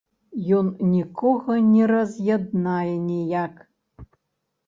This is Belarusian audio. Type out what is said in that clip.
Ён нікога не раз'яднае ніяк.